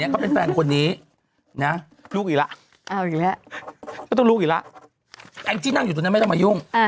ไอ้จิ๊กนั่งอยู่ตรงนั้นไม่ต้องมายุ่ง